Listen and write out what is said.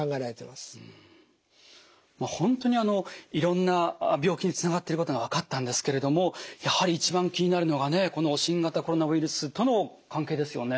本当にいろんな病気につながっていることが分かったんですけれどもやはり一番気になるのがね新型コロナウイルスとの関係ですよね。